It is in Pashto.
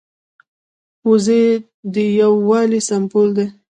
وزې د یو والي سمبول دي